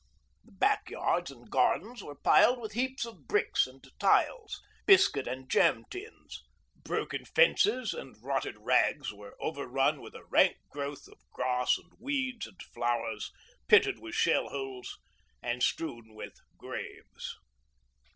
The back yards and gardens were piled with heaps of bricks and tiles, biscuit and jam tins; broken fences and rotted rags were overrun with a rank growth of grass and weeds and flowers, pitted with shell holes and strewn with graves.